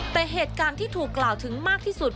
แต่เหตุการณ์ที่ถูกกล่าวถึงมากที่สุด